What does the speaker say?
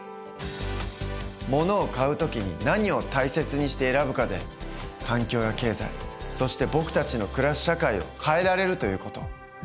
ものを買う時に何を大切にして選ぶかで環境や経済そして僕たちの暮らす社会を変えられるという事。